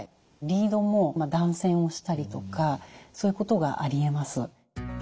リードも断線をしたりとかそういうことがありえます。